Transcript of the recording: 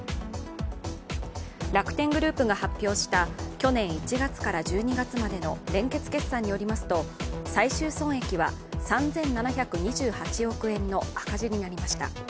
楽天グループが発表した去年１月から１２月までの連結決算によりますと最終損益は３７２８億円の赤字になりました。